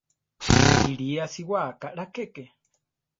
Kilí asiwá kaʼlá keke.